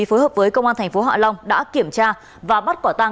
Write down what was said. phối hợp với công an thành phố hạ long đã kiểm tra và bắt quả tang